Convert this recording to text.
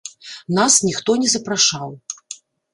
Нас ніхто не запрашаў.